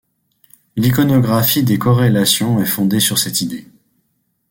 L’Iconographie des corrélations est fondée sur cette idée.